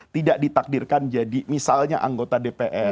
tidak ditakdirkan jadi misalnya anggota dpr